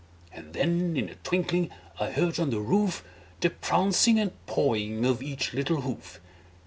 And then in a twinkling I heard on the roof, The prancing and pawing of each little hoof.